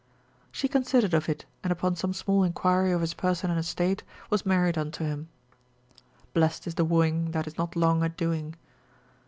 She considered of it, and upon some small inquiry of his person and estate, was married unto him. Blessed is the wooing, That is not long a doing.